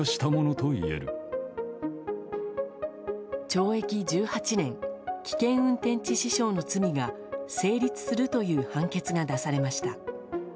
懲役１８年危険運転致死傷の罪が成立するという判決が出されました。